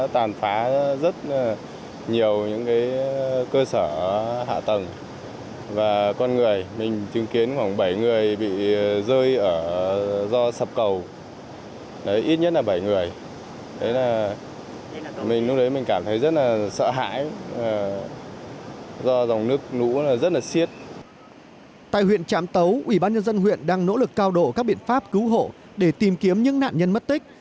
tại huyện trám tấu ủy ban nhân dân huyện đang nỗ lực cao độ các biện pháp cứu hộ để tìm kiếm những nạn nhân mất tích